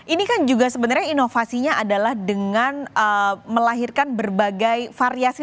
ini kan juga sebenarnya inovasinya adalah dengan melahirkan berbagai variasi